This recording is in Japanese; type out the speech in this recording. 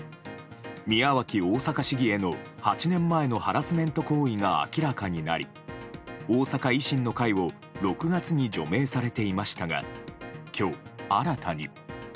宮脇大阪市議への８年前のハラスメント行為が明らかになり、大阪維新の会を６月に除名されていましたが今日、新たに。